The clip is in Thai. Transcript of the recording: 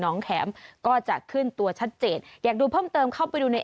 แข็มก็จะขึ้นตัวชัดเจนอยากดูเพิ่มเติมเข้าไปดูใน